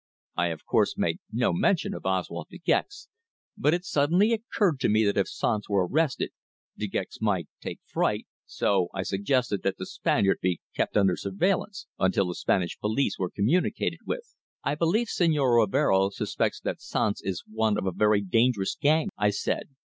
I, of course, made no mention of Oswald De Gex, but it suddenly occurred to me that if Sanz were arrested De Gex might take fright, so I suggested that the Spaniard be kept under surveillance until the Spanish police were communicated with. "I believe Señor Rivero suspects that Sanz is one of a very dangerous gang," I said.